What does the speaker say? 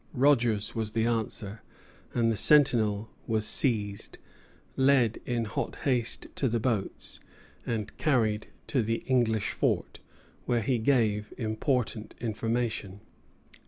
"Rogers," was the answer; and the sentinel was seized, led in hot haste to the boats, and carried to the English fort, where he gave important information.